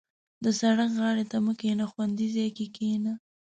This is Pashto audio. • د سړک غاړې ته مه کښېنه، خوندي ځای کې کښېنه.